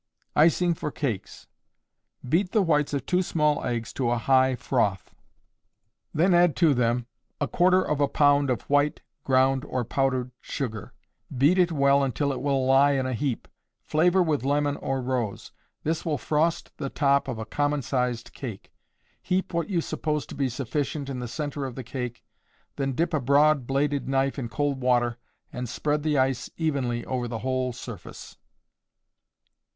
Icing for Cakes. Beat the whites of two small eggs to a high froth; then add to them a quarter of a pound of white, ground, or powdered sugar; beat it well until it will lie in a heap; flavor with lemon or rose. This will frost the top of a common sized cake. Heap what you suppose to be sufficient in the centre of the cake, then dip a broad bladed knife in cold water, and spread the ice evenly over the whole surface.